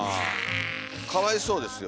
かわいそうですよ。